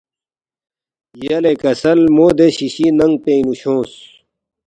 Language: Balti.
یلےکسل مو دے شِیشی ننگ پِنگ نُو چھونگس